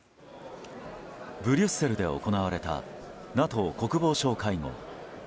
ブリュッセルで行われたＮＡＴＯ国防相会合。